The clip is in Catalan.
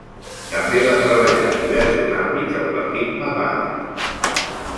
També va treballar en diversos àmbits al partit Mapam.